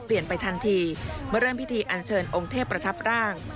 ไปทันทีเมื่อเริ่มพิธีอันเชิญองค์เทพประทับร่าง